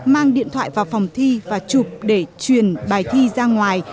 mang điện thoại vào phòng thi và chụp để truyền bài thi ra ngoài